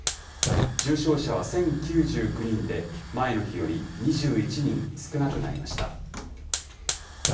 重症者は１０９９人で前の日より２１人少なくなりました。